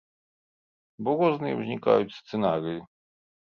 Бо розныя ўзнікаюць сцэнарыі.